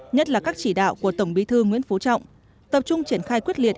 nhất là các chỉ đạo của tổng bí thư nguyễn phú trọng tập trung triển khai quyết liệt